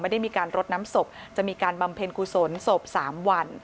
ได้มีการรดน้ำศพจะมีการบำเพ็ญกุศลศพ๓วัน